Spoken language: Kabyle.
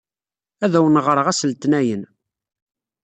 Ad awen-n-ɣṛeɣ ass Letnayen.